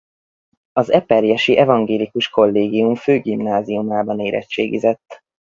Az eperjesi evangélikus Kollégium Főgimnáziumában érettségizett.